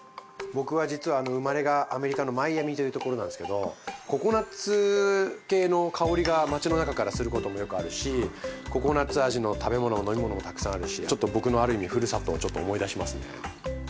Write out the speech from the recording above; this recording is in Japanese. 僕は実は生まれがアメリカのマイアミというところなんですけどココナツ系の香りが街の中からすることもよくあるしココナツ味の食べ物飲み物もたくさんあるしちょっと僕のある意味ふるさとをちょっと思い出しますね。